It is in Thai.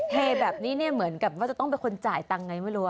เทแบบนี้เนี่ยเหมือนกับว่าจะต้องเป็นคนจ่ายตังค์ไงไม่รู้